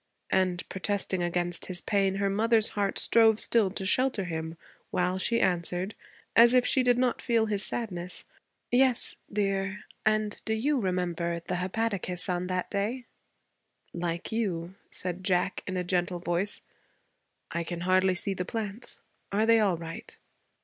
And, protesting against his pain, her mother's heart strove still to shelter him while she answered, as if she did not feel his sadness, 'Yes, dear, and do you remember the hepaticas on that day?' 'Like you,' said Jack in a gentle voice. 'I can hardly see the plants. Are they all right?'